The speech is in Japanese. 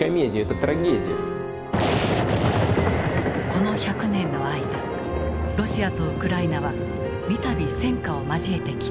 この１００年の間ロシアとウクライナは三度戦火を交えてきた。